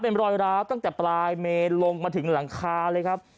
เป็นรอยร้าวตั้งแต่ปลายเมนลงมาถึงหลังคาเลยครับ